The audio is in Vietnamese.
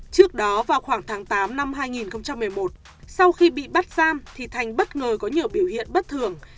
trước đó vào khoảng tháng tám năm hai nghìn một mươi một sau khi bị bắt giam thì thành bất ngờ có nhiều biểu hiện bất thường